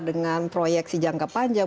dengan proyeksi jangka panjang